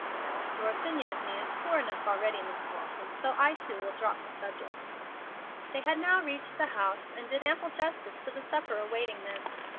"Your opinion of me is poor enough already, Miss Walton, so I, too, will drop the subject." They had now reached the house, and did ample justice to the supper awaiting them.